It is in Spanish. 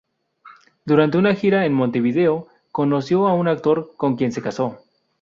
Durante una gira en Montevideo, conoció a un actor, con quien se casó.